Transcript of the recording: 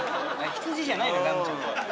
羊じゃないのよラムちゃんは。